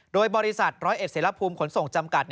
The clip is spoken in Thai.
โดยบริษัท๑๐๑เสร็จรับภูมิขนส่งจำกัด